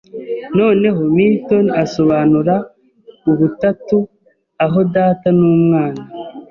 Noneho Milton asobanura ubutatu aho Data n'Umwana